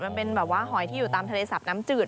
มันเป็นแบบว่าหอยที่อยู่ตามทะเลสับน้ำจืด